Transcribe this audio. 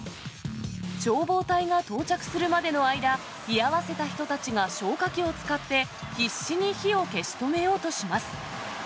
消防隊が到着するまでの間、居合わせた人たちが消火器を使って必死に火を消し止めようとします。